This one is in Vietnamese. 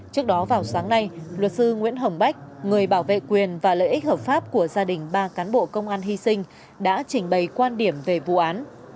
trước đó vào sáng nay luật sư nguyễn hồng bách người bảo vệ quyền và lợi ích hợp pháp của gia đình ba cán bộ công an hy sinh đã trình bày quan điểm về vụ án